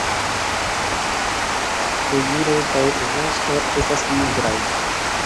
Flugiloj kaj vosto estas nigraj.